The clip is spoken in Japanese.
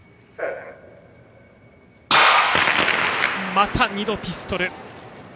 また、２度ピストル。